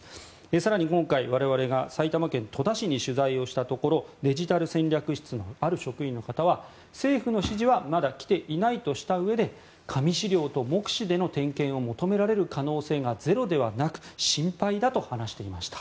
更に今回、我々が埼玉県戸田市に取材したところデジタル戦略室のある職員の方は政府の指示はまだ来ていないとしたうえで紙資料と目視での点検を求められる可能性がゼロではなく心配だと話していました。